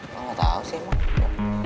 lu gak tau sih man